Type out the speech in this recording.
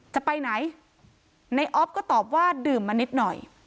จะไปไหนในออฟก็ตอบว่าดื่มมานิดหน่อย